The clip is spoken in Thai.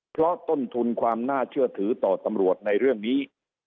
เพราะต้นทุนความน่าเชื่อถือต่อตำรวจในเรื่องนี้